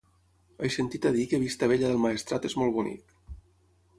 He sentit a dir que Vistabella del Maestrat és molt bonic.